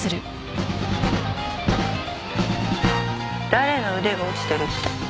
誰の腕が落ちてるって？